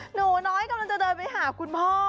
หนูน้อยกำลังจะเดินไปหาคุณพ่อ